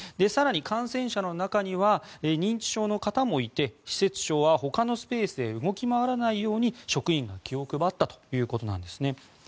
更に感染者の中には認知症の方もいて施設長は、ほかのスペースへ動き回らないように職員が気を配ったということです。